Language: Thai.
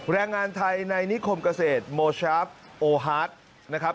แรงงานไทยในนิคมเกษตรโมชาฟโอฮาร์ดนะครับ